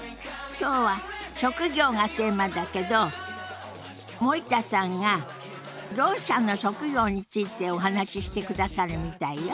今日は「職業」がテーマだけど森田さんがろう者の職業についてお話ししてくださるみたいよ。